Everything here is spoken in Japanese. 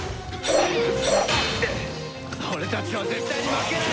俺たちは絶対に負けない！